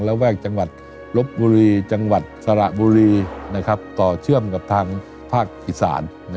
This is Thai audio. แวกจังหวัดลบบุรีจังหวัดสระบุรีต่อเชื่อมกับทางภาคอีสาน